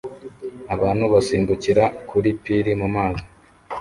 Abantu basimbukira kuri pir mumazi